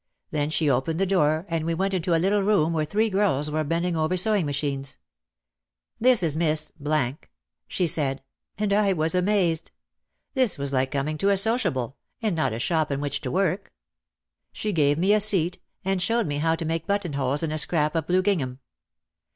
Then she opened the door and we went into a little room where three girls were bending over sewing ma chines. "This is Miss ," she said, and I was amazed. This was like coming to a sociable and not a shop in which to work. She gave me a seat and showed me how to make buttonholes in a scrap of blue gingham.